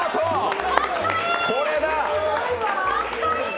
これだ！